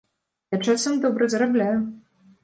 Я часам добра зарабляю.